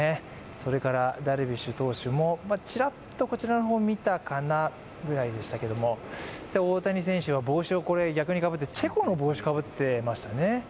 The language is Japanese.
それからダルビッシュ投手もちらっとこちらの方を見たかなという感じでしたけれども、大谷選手は帽子を逆にかぶってチェコの帽子をかぶってましたね。